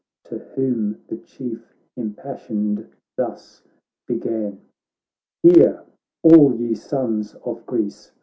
To whom the Chief impassioned thus began :' Hear, all ye Sons of Greece